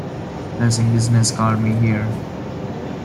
Pressing business called me here.